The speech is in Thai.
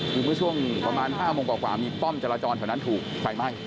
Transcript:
คือเมื่อช่วงประมาณ๕โมงกว่ามีป้อมจราจรแถวนั้นถูกไฟไหม้